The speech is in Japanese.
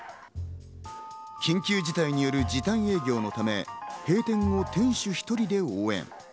緊急事態による時短営業のため、閉店後、店主１人で応援。